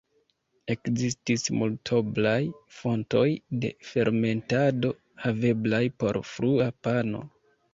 Ekzistis multoblaj fontoj de fermentado haveblaj por frua pano.